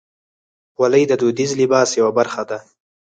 خولۍ د دودیز لباس یوه برخه ده.